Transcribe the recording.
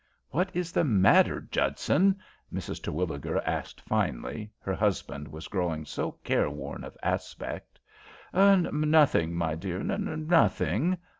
"What is the matter, Judson?" Mrs. Terwilliger asked finally, her husband was growing so careworn of aspect. "Nothing, my dear, nothing."